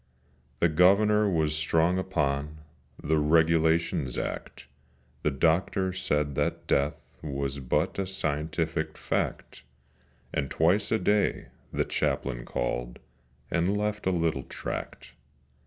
The Governor was strong upon The Regulations Act: The Doctor said that Death was but A scientific fact: And twice a day the Chaplain called, And left a little tract.